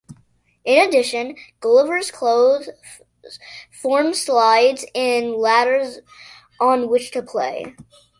In addition, Gulliver's clothes form slides and ladders on which to play.